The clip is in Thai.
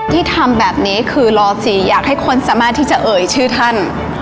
ที่ทำแบบนี้คือล๔อยากให้คนสามารถที่จะเอ่ยชื่อท่าน